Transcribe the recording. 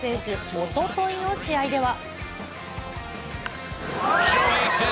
おとといの試合では。